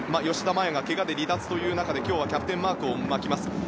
吉田麻也がけがで離脱という中で今日はキャプテンマークを巻きます。